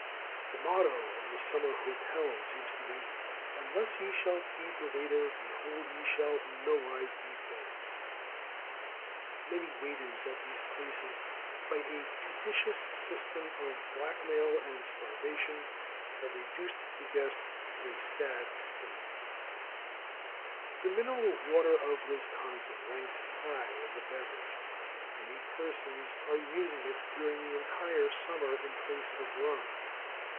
The motto of the summer hotel seems to be, "Unless ye shall have feed the waiter, behold ye shall in no wise be fed." Many waiters at these places, by a judicious system of blackmail and starvation, have reduced the guest to a sad state. [Illustration: THE MAN WHO FEES THE WAITEE.] The mineral water of Wisconsin ranks high as a beverage. Many persons are using it during the entire summer in place of rum.